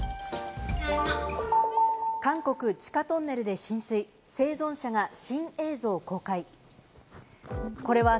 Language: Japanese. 韓国地下トンネルで浸水、生存者が新映像公開。